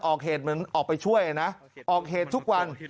ออกเหตุเหมือนออกไปช่วยนะออกเหตุทุกวัน